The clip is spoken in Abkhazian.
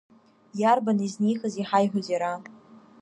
Иарбан изнихыз иҳаиҳәоз иара?!